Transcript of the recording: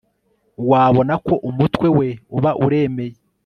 wabona ko umutwe we uba uremeye